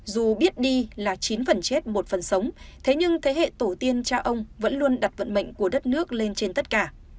dù biết đi là chín phần chết một phần sống thế nhưng thế hệ tổ tiên cha ông vẫn luôn đặt vận mệnh của đất nước lên trên tất cả